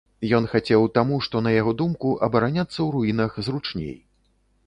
Ён хацеў таму што, на яго думку, абараняцца ў руінах зручней.